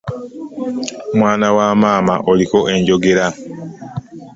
Mwana wa maama oliko enjogera!